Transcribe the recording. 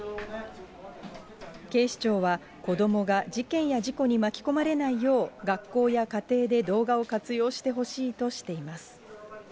警視庁は子どもが事件や事故に巻き込まれないよう、学校や家庭で動画を活用してほしいとしています。